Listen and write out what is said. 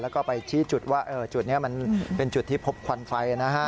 แล้วก็ไปที่จุดว่าจุดนี้เป็นจุดที่พบควันไฟ